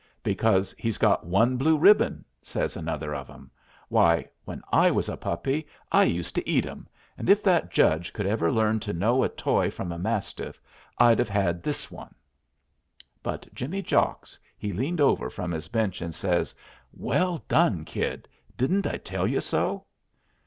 "Because he's got one blue ribbon!" says another of 'em. "Why, when I was a puppy I used to eat 'em, and if that judge could ever learn to know a toy from a mastiff, I'd have had this one." But Jimmy Jocks he leaned over from his bench and says, "Well done, Kid. Didn't I tell you so?"